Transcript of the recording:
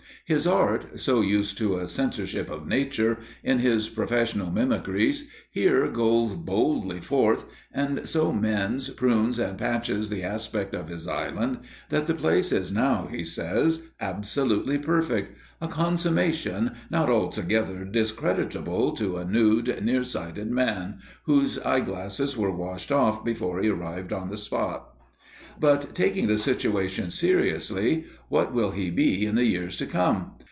His art, so used to a censorship of Nature, in his professional mimicries, here goes boldly forth and so mends, prunes and patches the aspect of his island, that the place is now, he says, absolutely perfect; a consummation not altogether discreditable to a nude, near sighted man, whose eye glasses were washed off before he arrived on the spot! But, taking the situation seriously, what will he be in the years to come?